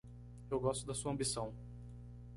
Eu gosto da sua ambição